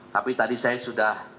tapi tadi saya sudah